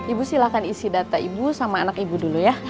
ibu silahkan isi data ibu sama anak ibu dulu ya